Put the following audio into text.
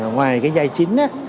ngoài cái giai chính á